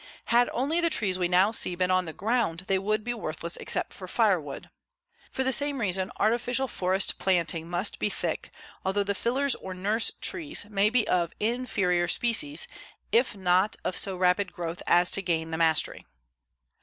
Had only the trees we now see been on the ground they would be worthless except for firewood. For the same reason artificial forest planting must be thick, although the fillers or nurse trees may be of inferior species if not of so rapid growth as to gain the mastery.